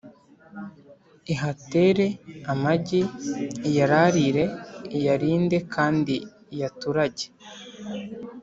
ihatere amagi, iyararire, iyarinde kandi iyaturage.